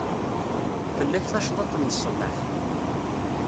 Fell-ak tacḍat n ṣṣellaḥ.